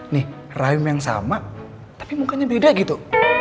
nih rahim yang sama tapi mukanya beda gitu